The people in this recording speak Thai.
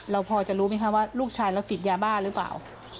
เราพอจะรู้ไหมคะว่าลูกชายเราติดยาบ้าหรือเปล่า